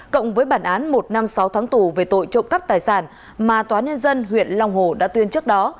cộng với bản án một năm sáu tháng tù về tội trộm cắp tài sản mà tòa nhân dân huyện long hồ đã tuyên trước đó